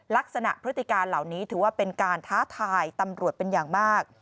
พฤติการเหล่านี้ถือว่าเป็นการท้าทายตำรวจเป็นอย่างมาก